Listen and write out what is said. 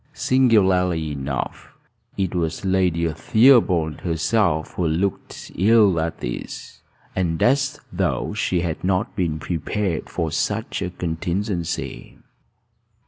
Singularly enough, it was Lady Theobald herself who looked ill at ease, and as though she had not been prepared for such a contingency.